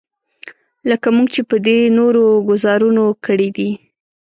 لکه موږ چې په دې نورو ګوزارونو کړی دی.